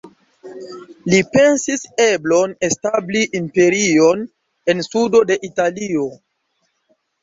Li pensis eblon establi imperion en sudo de Italio.